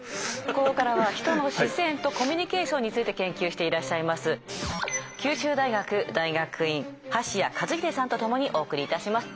ここからはヒトの視線とコミュニケーションについて研究していらっしゃいます九州大学大学院橋彌和秀さんと共にお送りいたします。